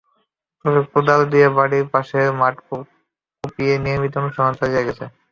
তবে কোদাল দিয়ে বাড়ির পাশের মাঠ কুপিয়ে নিয়মিত অনুশীলন চালিয়ে গেছে।